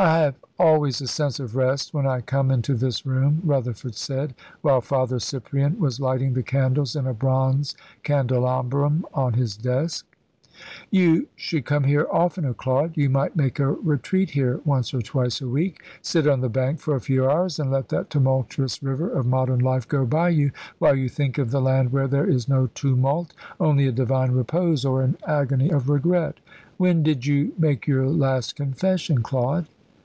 "I have always a sense of rest when I come into this room," Rutherford said, while Father Cyprian was lighting the candles in a bronze candelabrum on his desk. "You should come here oftener, Claude. You might make a retreat here once or twice a week. Sit on the bank for a few hours, and let that tumultuous river of modern life go by you, while you think of the land where there is no tumult, only a divine repose, or an agony of regret. When did you make your last confession, Claude?"